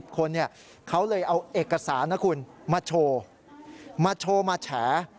๑๐คนเขาเลยเอาเอกสารนะคุณมาโชว์มาแฉ